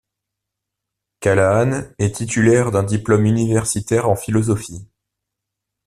Callahan est titulaire d'un diplôme universitaire en philosophie.